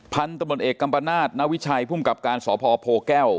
พันธุ์ตำรวจเอกกัมปนาศนาวิชัยภูมิกับการสพโพแก้ว